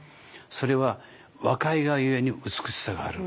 それは若いがゆえに美しさがある。